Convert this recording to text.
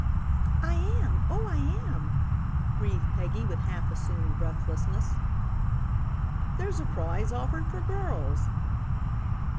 "I am oh, I am!" breathed Peggy with half assumed breathlessness. "There's a prize offered for girls!"